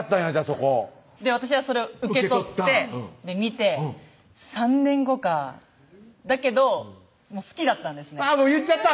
そこで私はそれを受け取って見て３年後かだけどもう好きだったんですねもう言っちゃった！